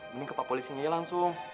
mending ke pak polis ini langsung